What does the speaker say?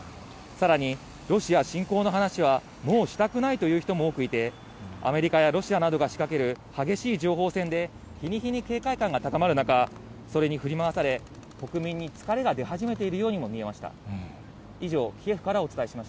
さらにロシア侵攻の話は、もうしたくないという人も多くいて、アメリカやロシアなどが仕掛ける激しい情報戦で、日に日に警戒感が高まる中、それに振り回され、国民に疲れが出始めているようにも見えました。